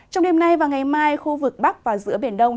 trong đêm nay và ngày mai khu vực bắc và giữa biển đông